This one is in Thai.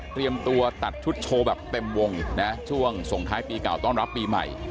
ตัวตัดชุดโชว์แบบเต็มวงนะช่วงส่งท้ายปีเก่าต้อนรับปีใหม่